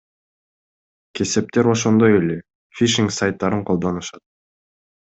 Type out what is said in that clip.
Кесептер ошондой эле, фишинг сайттарын колдонушат.